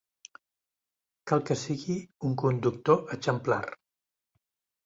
Cal que sigui un conductor exemplar.